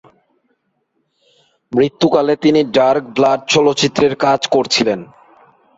মৃত্যুকালে তিনি "dark blood" চলচ্চিত্রের কাজ করছিলেন।